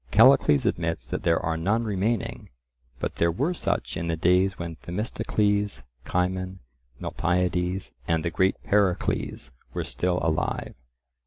Callicles admits that there are none remaining, but there were such in the days when Themistocles, Cimon, Miltiades, and the great Pericles were still alive.